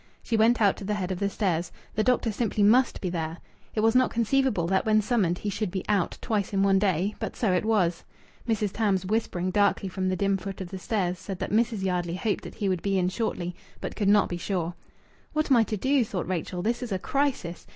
She went out to the head of the stairs. The doctor simply must be there. It was not conceivable that when summoned he should be "out" twice in one day, but so it was. Mrs. Tams, whispering darkly from the dim foot of the stairs, said that Mrs. Yardley hoped that he would be in shortly, but could not be sure. "What am I to do?" thought Rachel. "This is a crisis.